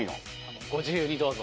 ご自由にどうぞ。